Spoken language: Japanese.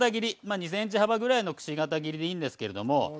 ２ｃｍ幅ぐらいのくし形切りでいいんですけれども。